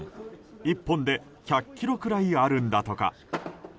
１本で１００ｋｇぐらいあるんだとか。